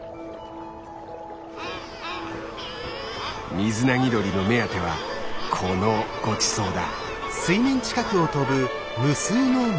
ミズナギドリの目当てはこのごちそうだ。